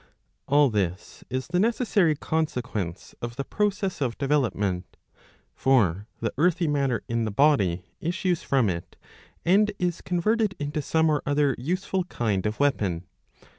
All this is the necessary consequence of the process of develop ment. For the earthy matter in the body issues from it and is converted into some or other useful kind of weapon.